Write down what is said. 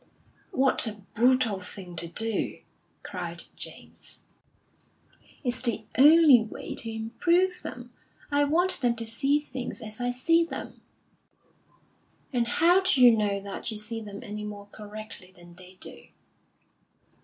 "What a brutal thing to do!" cried James. "It's the only way to improve them. I want them to see things as I see them." "And how d'you know that you see them any more correctly than they do?"